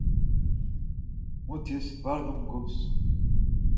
Mutis var numgus.